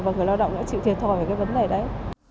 và người lao động đã chịu thiệt thòi về cái vấn đề đấy